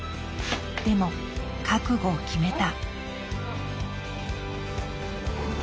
でも覚悟を決めた。